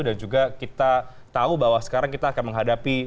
dan juga kita tahu bahwa sekarang kita akan menghadapi